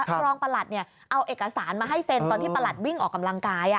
รองประหลัดเอาเอกสารมาให้เซ็นตอนที่ประหลัดวิ่งออกกำลังกาย